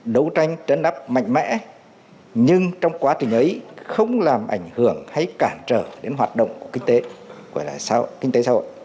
đấu tranh chấn nắp mạnh mẽ nhưng trong quá trình ấy không làm ảnh hưởng hay cản trở đến hoạt động của kinh tế